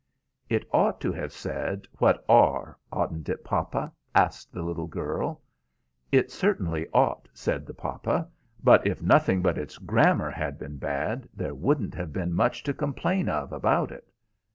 '" "It ought to have said 'what are,' oughtn't it, papa?" asked the little girl. "It certainly ought," said the papa. "But if nothing but it's grammar had been bad, there wouldn't have been much to complain of about it."